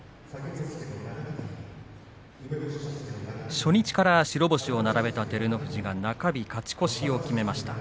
初日から白星を並べた照ノ富士中日勝ち越しを決めました。